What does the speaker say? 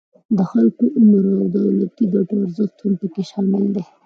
د خلکو عمر او د دولتی ګټو ارزښت هم پکې شامل دي